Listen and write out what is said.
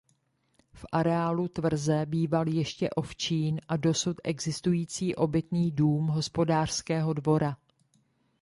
V areálu tvrze býval ještě ovčín a dosud existující obytný dům hospodářského dvora.